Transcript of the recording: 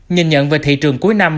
nhìn nhận về thị trường cuối năm